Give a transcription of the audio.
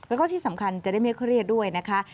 แล้วก็ที่สำคัญจะได้ไม่เครียดด้วยนะคะ